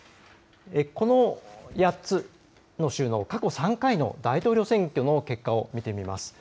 この８つの州の過去３回の大統領選挙の結果を見てみます。